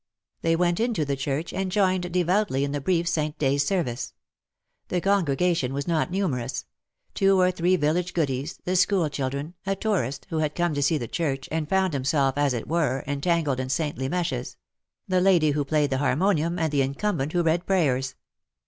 They went into the church, and joined devoutly in the brief Saint's Day service. The congregation was not numerous. Two or three village goodies — the school children — a tourist, who had come to see the church, and found himself, as it were, entangled in saintly meshes — the lady who played the harmonium, and the incumbent who read prayers.